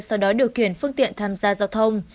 sau đó điều khiển phương tiện tham gia giao thông